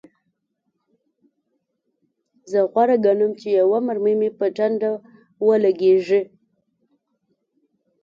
زه غوره ګڼم چې یوه مرمۍ مې په ټنډه ولګیږي